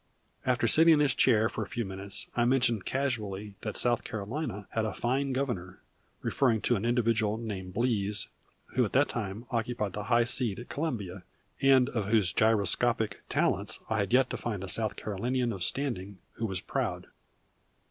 After sitting in his chair for a few minutes I mentioned casually that South Carolina had a "fine Governor," referring to an individual named Blease, who at that time, occupied the high seat at Columbia, and of whose gyroscopic talents I had yet to find a South Carolinian of standing who was proud.